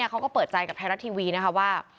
เขาก็เปิดใจทะรัตทีวีว่า